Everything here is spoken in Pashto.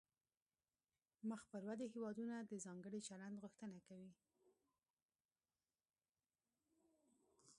مخ پر ودې هیوادونه د ځانګړي چلند غوښتنه کوي